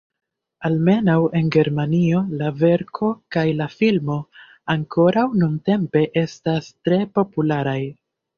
Almenaŭ en Germanio la verko kaj la filmo ankoraŭ nuntempe estas tre popularaj.